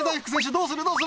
どうする？